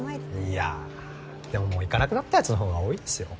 いやでももう行かなくなったやつのほうが多いですよ。